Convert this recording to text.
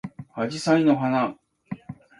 あじさいの花